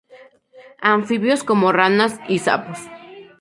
Anfibios como ranas y sapos.